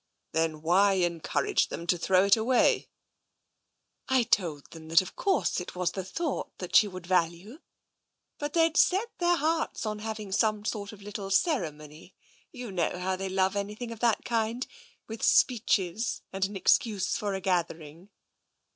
" Then why encourage them to throw it away ?"" I told them that of course it was the thought that she would value. But they'd set their hearts on having some sort of little ceremony — you know how they love anything of that kind — with speeches and an ex cuse for a gathering."